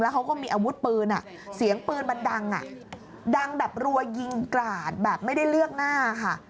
เขาก็มีอาวุธปืนเสียงปืนมันดังดังแบบรัวยิงกราดแบบไม่ได้เลือกหน้าค่ะ